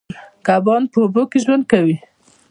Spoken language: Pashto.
کبان په اوبو کې ژوند کوي